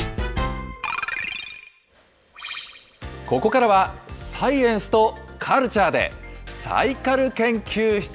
ここからはサイエンスとカルチャーで、サイカル研究室。